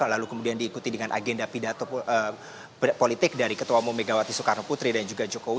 lalu kemudian diikuti dengan agenda pidato politik dari ketua umum megawati soekarno putri dan juga jokowi